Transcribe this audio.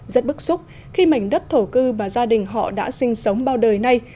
rất bức xúc khi mảnh đất thổ cư và gia đình họ đã sinh sống bao đời nay